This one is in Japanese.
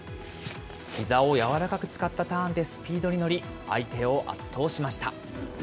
ひざを柔らかく使ったターンでスピードに乗り、相手を圧倒しました。